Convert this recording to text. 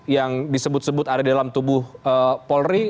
yang disebut sebut ada di dalam tubuh polri